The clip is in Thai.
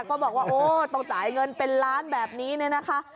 ก็บอกว่าโอ้ต้องจ่ายเงินเป็นล้านแบบนี้เนี่ยนะคะ